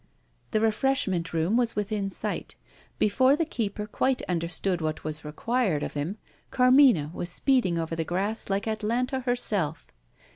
The refreshment room was within sight. Before the keeper quite understood what was required of him, Carmina was speeding over the grass like Atalanta herself.